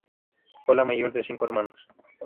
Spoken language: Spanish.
Fue la mayor de cinco hermanos.